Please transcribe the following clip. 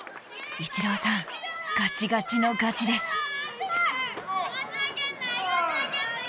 イチローさんガチガチのガチです。